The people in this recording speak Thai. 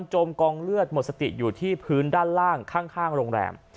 หล่างข้างโรงแรม